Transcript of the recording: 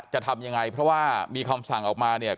จะทำยังไงเพราะว่ามีคำสั่งออกมาเนี่ย